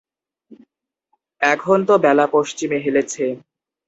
এখন তো বেলা পশ্চিমে হেলেছে।